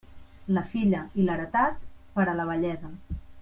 La filla i l'heretat, per a la vellesa.